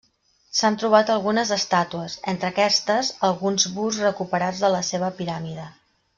S'han trobat algunes estàtues, entre aquestes alguns busts recuperats de la seva piràmide.